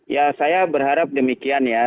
ya saya berharap demikian ya